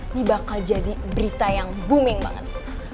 ini bakal jadi berita yang booming banget